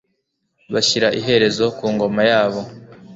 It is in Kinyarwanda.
bashyira iherezo ku ngoma yabo